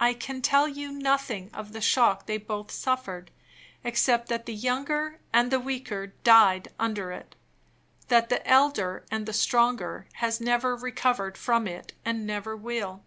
I can tell you nothing of the shock they both suffered, except that the younger and the weaker died under it; that the elder and the stronger has never recovered from it, and never will.